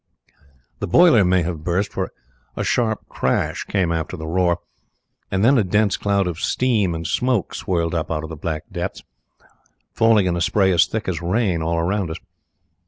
The boiler may have burst, for a sharp crash came after the roar, and then a dense cloud of steam and smoke swirled up out of the black depths, falling in a spray as thick as rain all round us.